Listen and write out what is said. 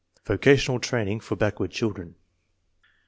Vocational training for backward children.